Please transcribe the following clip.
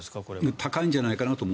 高いんじゃないかなと。